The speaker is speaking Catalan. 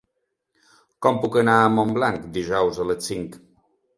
Com puc anar a Montblanc dijous a les cinc?